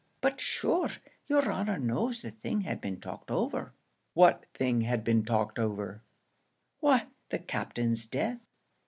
But shure, yer honour knows the thing had been talked over." "What thing had been talked over?" "Why, the Captain's death."